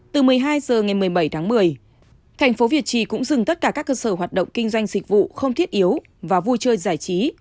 từ một mươi hai h ngày một mươi bảy tháng một mươi thành phố việt trì cũng dừng tất cả các cơ sở hoạt động kinh doanh dịch vụ không thiết yếu và vui chơi giải trí